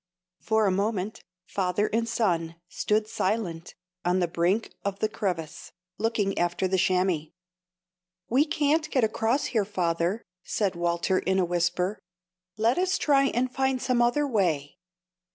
_ For a moment father and son stood silent on the brink of the crevasse, looking after the chamois. "We can't get across here, father," said Walter, in a whisper; "let us try and find some other way."